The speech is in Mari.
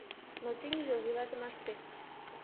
Но тӱҥжӧ — вуйлатымаште.